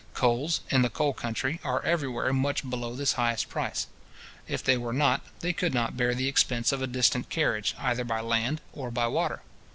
Coals, in the coal countries, are everywhere much below this highest price. If they were not, they could not bear the expense of a distant carriage, either by land or by water.